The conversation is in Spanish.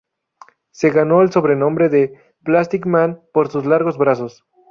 Se ganó el sobrenombre de "Plastic Man" por sus largos brazos.